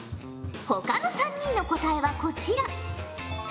ほかの３人の答えはこちら。